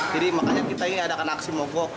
jadi makanya kita ini adakan aksi mogok